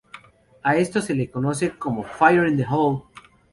A esto se le conoce como ""fire in the hole"".